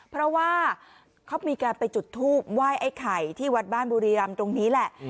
เพราะว่าเขามีการไปจุดทูบไหว้ไอ้ไข่ที่วัดบ้านบุรีรำตรงนี้แหละ